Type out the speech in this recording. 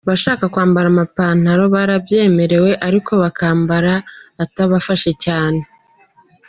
Abashaka kwambara amapantaro barabyemerewe ariko bakambara atabafashe cyane.